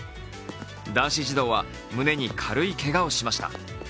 男子児童は胸に軽いけがをしました。